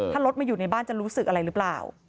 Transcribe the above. ถ้ารถมาอยู่ในบ้านจะรู้สึกอะไรหรือเปล่า